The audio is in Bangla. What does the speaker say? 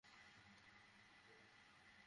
আমরা আবার কথা বলব।